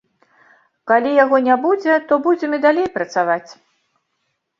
Калі яго не будзе, то будзем і далей працаваць.